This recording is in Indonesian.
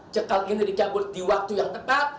cekal ini dicabut di waktu yang tepat